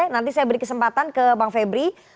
nanti saya beri kesempatan ke bang febri